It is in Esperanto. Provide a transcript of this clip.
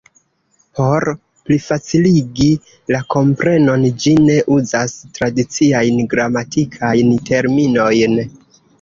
Por plifaciligi la komprenon, ĝi ne uzas tradiciajn gramatikajn terminojn.